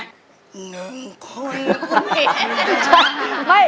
หนึ่งคอนนี่